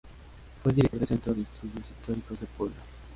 Fue director del "Centro de Estudios Históricos de Puebla".